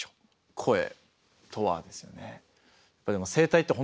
声とはですよね。